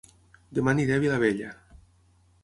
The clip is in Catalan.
Dema aniré a Vilabella